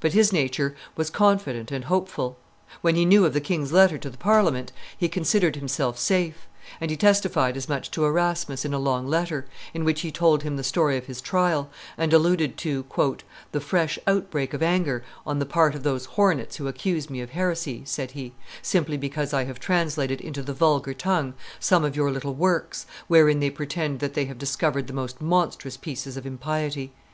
but his nature was confident and hopeful; when he knew of the king's letter to the Parliament, he considered himself safe, and he testified as much to Erasmus in a long letter, in which he told him the story of his trial, and alluded to "the fresh outbreak of anger on the part of those hornets who accuse me of heresy," said he, "simply because I have translated into the vulgar tongue some of your little works, wherein they pretend that they have discovered the most monstrous pieces of impiety."